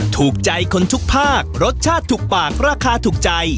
ถูกใจคนทุกภาครสชาติถูกปากราคาถูกใจ